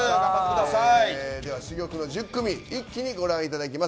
では珠玉の１０組一気にご覧いただきます。